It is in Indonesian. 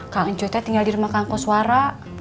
kangen cuy tuh tinggal di rumah kangkoswara